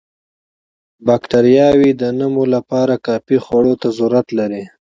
باکټریاوې د نمو لپاره کافي خوړو ته ضرورت لري.